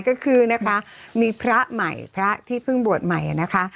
ก็คือนะคะมีพระใหม่พระที่เพิ่งบวชใหม่นะคะ